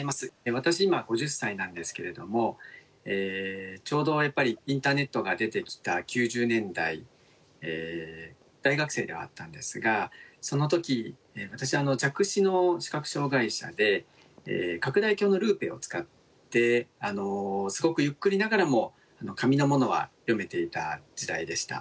私今５０歳なんですけれどもちょうどやっぱりインターネットが出てきた９０年代大学生ではあったんですがその時私弱視の視覚障害者で拡大鏡のルーペを使ってすごくゆっくりながらも紙のものは読めていた時代でした。